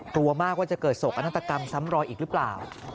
กลัวมากว่าจะเกิดโศกอนาตกรรมซ้ำรอยอีกหรือเปล่า